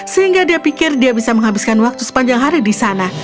sehingga dia pikir dia bisa menghabiskan waktu sepanjang hari di sana